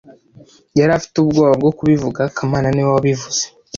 Yari afite ubwoba bwo kubivuga kamana niwe wabivuze